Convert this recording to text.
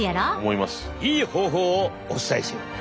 いい方法をお伝えしよう。